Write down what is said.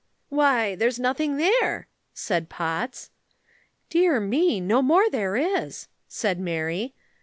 "Why, there's nothing there," said Potts. "Dear me, no more there is," said Mary.